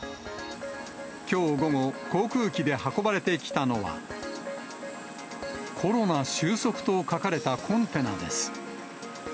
きょう午後、航空機で運ばれてきたのは、コロナ終息と書かれたコンテナです。